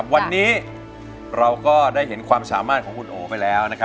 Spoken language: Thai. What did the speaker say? วันนี้เราก็ได้เห็นความสามารถของคุณโอไปแล้ว